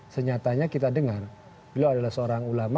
senyatanya kita dengar